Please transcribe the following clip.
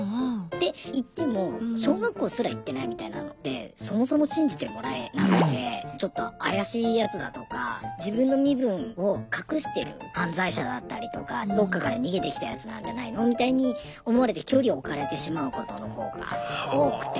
で言っても小学校すら行ってないみたいなのってそもそも信じてもらえなくてちょっと怪しいやつだとか自分の身分を隠してる犯罪者だったりとかどっかから逃げてきたやつなんじゃないのみたいに思われて距離を置かれてしまうことの方が多くて。